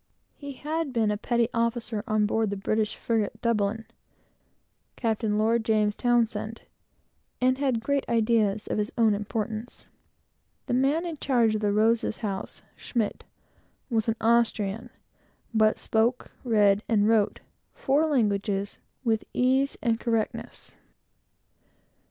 He had been a petty officer on board the British frigate Dublin, Capt. Lord James Townshend, and had great ideas of his own importance. The man in charge of the Rosa's house was an Austrian by birth, but spoke, read, and wrote four languages with ease and correctness.